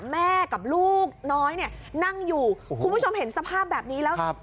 แม่กับลูกน้อยเนี่ยนั่งอยู่คุณผู้ชมเห็นสภาพแบบนี้แล้วครับ